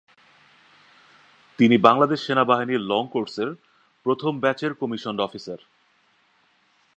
তিনি বাংলাদেশ সেনাবাহিনীর long course এর প্রথম ব্যাচের কমিশন্ড অফিসার।